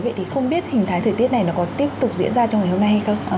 vậy thì không biết hình thái thời tiết này nó có tiếp tục diễn ra trong ngày hôm nay hay không